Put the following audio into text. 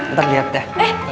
nanti liat deh